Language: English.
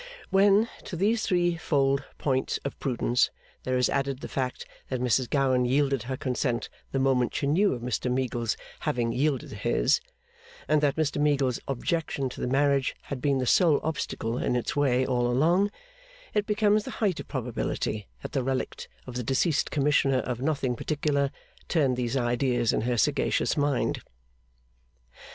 When, to these three fold points of prudence there is added the fact that Mrs Gowan yielded her consent the moment she knew of Mr Meagles having yielded his, and that Mr Meagles's objection to the marriage had been the sole obstacle in its way all along, it becomes the height of probability that the relict of the deceased Commissioner of nothing particular, turned these ideas in her sagacious mind.